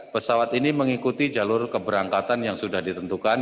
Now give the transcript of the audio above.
pesawat ini mengikuti jalur keberangkatan yang sudah ditentukan